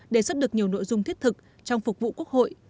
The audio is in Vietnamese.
đề xuất được nhiều nội dung thiết thực trong phục vụ quốc hội